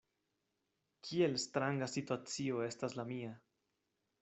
Kiel stranga situacio estas la mia.